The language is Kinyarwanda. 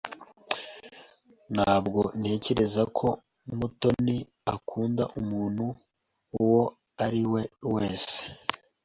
Ntabwo ntekereza ko Mutoni akunda umuntu uwo ari we wese.